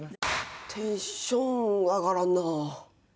テンション上がらんなあ。